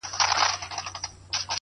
وخت د فرصتونو خام مواد دي’